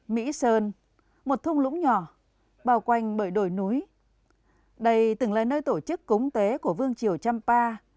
mỹ sơn một thung lũng nhỏ bao quanh bởi đồi núi đây từng là nơi tổ chức cúng tế của vương triều champa